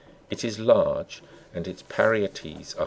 62, e) ; it is large, and its parietes are 5.